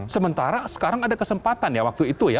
sementara sekarang ada kesempatan ya waktu itu ya